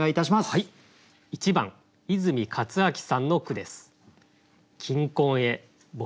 １番泉勝明さんの句です。